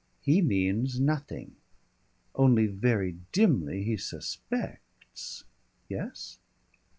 "He means nothing. Only very dimly he suspects " "Yes?"